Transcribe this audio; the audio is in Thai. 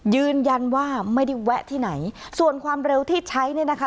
ยืนยันว่าไม่ได้แวะที่ไหนส่วนความเร็วที่ใช้เนี่ยนะคะ